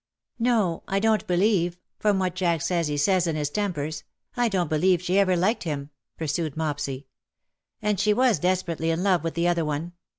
"No, I don't believe — from what Jack says he says in his tempers — I don't believe she ever liked him," pursued Mopsy. "And she was desperately in love with the other one.